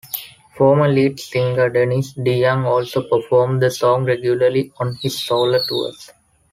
Former lead singer Dennis DeYoung also performs the song regularly on his solo tours.